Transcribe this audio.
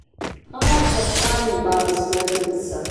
А часамі бабы сплятуцца.